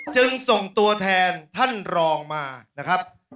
จึงส่งตัวแทนท่านรองมานะครับ